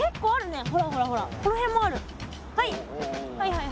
はい。